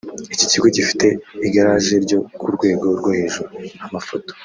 Iki kigo gifite igaraje ryo ku rwego rwo hejuru (Amafoto)